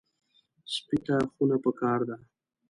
سپي ته خونه پکار ده.